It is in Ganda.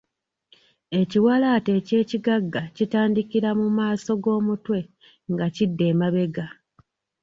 Ekiwalaata eky’ekigagga kitandikira mu maaso g'omutwe nga kidda emabega.